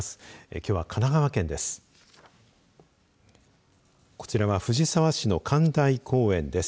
きょうは、神奈川県です。